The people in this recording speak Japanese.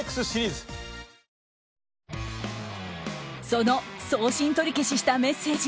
その送信取り消ししたメッセージ